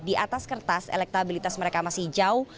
di atas kertas elektabilitas mereka masih jauh